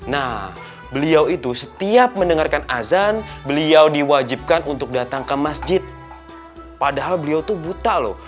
nah beliau itu setiap mendengarkan azan beliau diwajibkan untuk datang ke masjid padahal beliau tuh buta loh